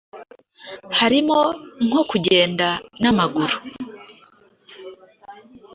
harimo nko kugenda n’amaguru